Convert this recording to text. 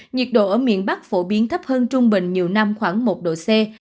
nhiệt độ ở miền bắc phổ biến thấp hơn trung bình nhiều năm khoảng một độ c